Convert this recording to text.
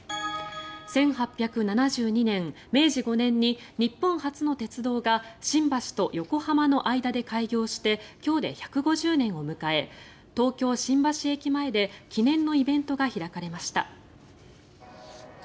１８７２年、明治５年に日本初の鉄道が新橋と横浜の間で開業して今日で１５０年を迎え東京・新橋駅前で記念のイベントが開かれました。